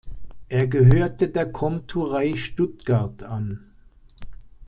Er gehörte der Komturei Stuttgart an.